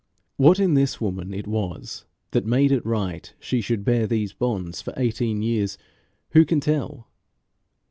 What in this woman it was that made it right she should bear these bonds for eighteen years, who can tell?